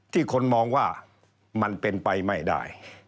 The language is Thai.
คนมองว่ามันเป็นไปไม่ได้